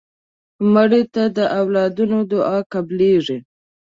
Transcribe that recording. مړه ته د اولادونو دعا قبلیږي